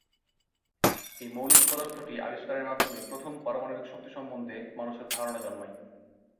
এই মৌলিক পদার্থটি আবিষ্কারের মাধ্যমেই প্রথম পারমাণবিক শক্তি সম্বন্ধে মানুষের ধারণা জন্মায়।